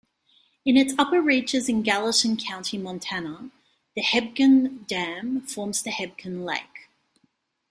In its upper reaches in Gallatin County, Montana, the Hebgen Dam forms Hebgen Lake.